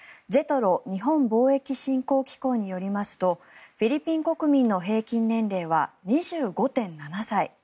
ＪＥＴＲＯ・日本貿易振興機構によりますとフィリピン国民の平均年齢は２５．７歳。